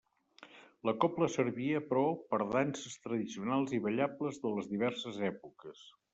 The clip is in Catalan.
La cobla servia, però, per danses tradicionals i ballables de les diverses èpoques.